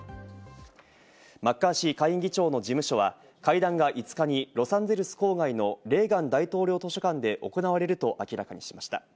マッカーシー下院議長の事務所は会談が５日にロサンゼルス郊外のレーガン大統領図書館で行われると明らかにしました。